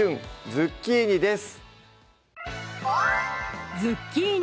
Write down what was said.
ズッキーニ」です